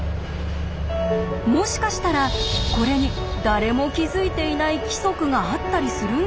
もしかしたらこれに誰も気付いていない規則があったりするんでしょうか？